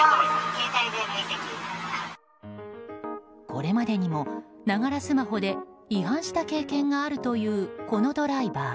これまでにも、ながらスマホで違反した経験があるというこのドライバー。